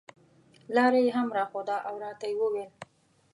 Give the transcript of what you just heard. لاره یې هم راښوده او راته یې وویل.